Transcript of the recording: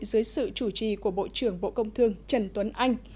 dưới sự chủ trì của bộ trưởng bộ công thương trần tuấn anh